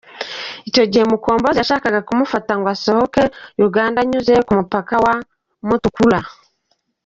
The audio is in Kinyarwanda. Icyo gihe Mukombozi yashakaga kumufasha ngo asohoke Uganda anyuze ku mukapa wa Mutukula.